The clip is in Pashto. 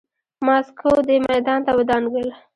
ماسکو دې میدان ته ودانګل.